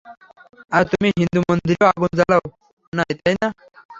আর তুমি হিন্দু মন্দিরেও আগুন জ্বালাও নাই, তাইনা?